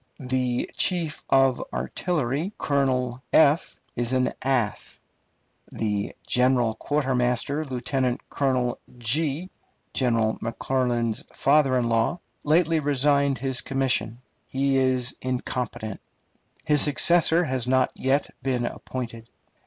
The chief of artillery, Colonel , is an ass. The chief quartermaster, Lieutenant Colonel , General McClernand's father in law, lately resigned his commission. He was incompetent.... His successor has not yet been appointed.